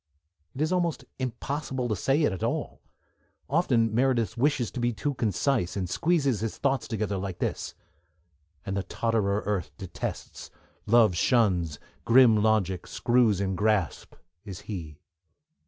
It is almost impossible to say it at all. Often Meredith wishes to be too concise, and squeezes his thoughts together like this: and the totterer Earth detests, Love shuns, grim logic screws in grasp, is he.